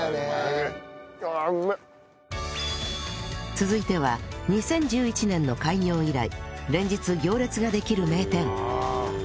続いては２０１１年の開業以来連日行列ができる名店